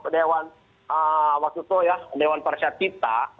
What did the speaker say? dewan waktu itu ya dewan parasatita